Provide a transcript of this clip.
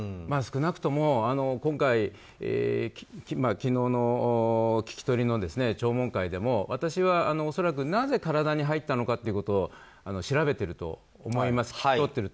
少なくとも、今回昨日の聞き取りの聴聞会でも私は恐らくなぜ体に入ったのかということを調べてると思います。